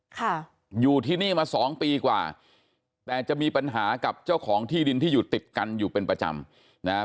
ค่ะอยู่ที่นี่มาสองปีกว่าแต่จะมีปัญหากับเจ้าของที่ดินที่อยู่ติดกันอยู่เป็นประจำนะฮะ